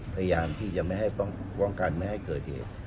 พยายามที่จะไม่ให้ป้องกันไม่ให้เกิดเหตุ